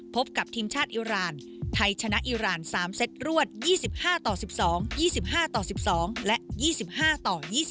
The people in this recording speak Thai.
พบกับทีมชาติอิราณไทยชนะอิราณ๓เซตรวด๒๕ต่อ๑๒๒๕ต่อ๑๒และ๒๕ต่อ๒๕